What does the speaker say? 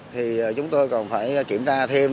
thì chúng tôi còn phải kiểm tra thêm